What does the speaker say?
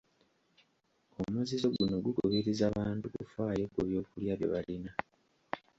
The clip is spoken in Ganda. Omuzizo guno gukubiriza bantu kufaayo ku byokulya bye balina.